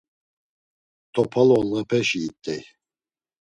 T̆opaloğlepeşi it̆ey…